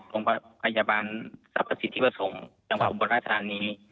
โรงพยาบาลทรัพย์สิทธิประสงค์จังหวัดบรรทานนี้